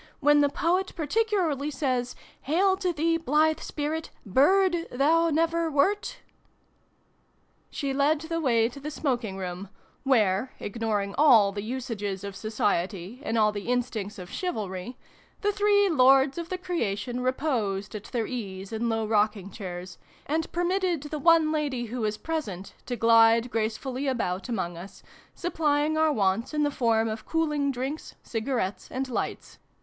When the Poet particularly says ' Hail to thee y blithe spirit ! Bird thou never wert !' She led the way to the smoking room, where, ignoring all the usages of Society and all the instincts of Chivalry, the three Lords of the XVII] TO THE RESCUE! 271 Creation reposed at their ease in low rocking chairs, and permitted the one lady who was present to glide gracefully about among us, supplying our wants in the form of cooling drinks, cigarettes, and lights.